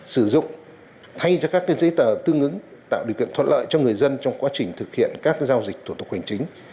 sử dụng thay cho các giấy tờ tương ứng tạo điều kiện thuận lợi cho người dân trong quá trình thực hiện các giao dịch thủ tục hành chính